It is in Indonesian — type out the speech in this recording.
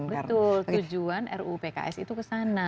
betul tujuan ruu pks itu kesana